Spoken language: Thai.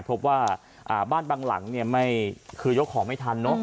พบว่าบ้านบางหลังเนี่ยไม่คือยกของไม่ทันเนอะ